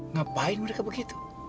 ngapain mereka begitu